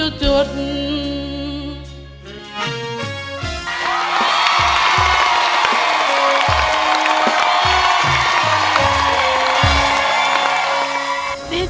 ดีจริง